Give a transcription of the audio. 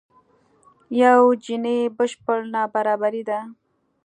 یو جیني بشپړ نابرابري ده.